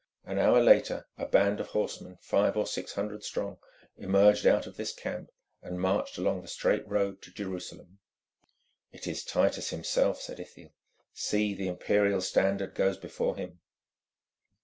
An hour later a band of horsemen five or six hundred strong emerged out of this camp and marched along the straight road to Jerusalem. "It is Titus himself," said Ithiel. "See, the Imperial Standard goes before him."